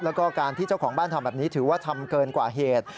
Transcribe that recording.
แล้วก็การที่เจ้าของบ้านทำแบบนี้ถือว่าทำเกินกว่าเหตุ